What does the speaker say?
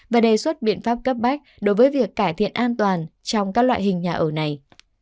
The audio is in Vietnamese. và đề xuất biện pháp cấp bách đối với việc cải thiện an toàn trong các loại hình nhà ở này